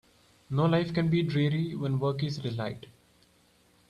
No life can be dreary when work is a delight.